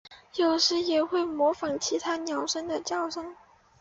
有时也会模仿其他鸟类的叫声。